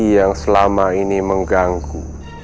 yang selama ini mengganggu